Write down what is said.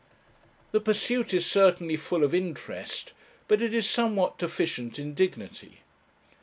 The pursuit is certainly full of interest, but it is somewhat deficient in dignity.